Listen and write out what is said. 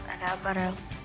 ada apa rel